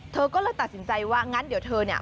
เธอก็เลยตัดสินใจว่างั้นเดี๋ยวเธอเนี่ย